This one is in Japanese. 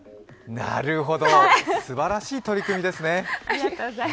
なるほど、すばらしい取り組みですね。